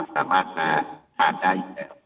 สามารถมาทานได้